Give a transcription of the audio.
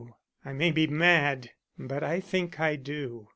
I may be mad, but I think I do."